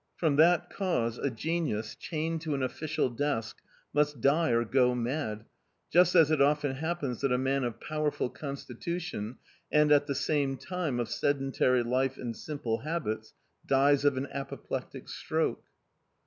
From that cause a genius, chained to an official desk, must die or go mad, just as it often happens that a man of powerful constitution, and at the same time of sedentary life and simple habits, dies of an apoplectic stroke.